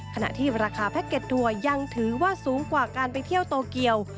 ขณะที่ราคาแพ็กเก็ตทัวร์ยังถือว่าสูงกว่าการไปเที่ยวโตเกียว